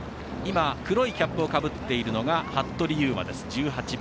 黒いキャップをかぶっているのが服部勇馬です、１８番。